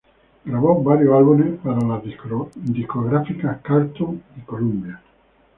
Grabó varios álbumes para las discográficas Carlton y Columbia.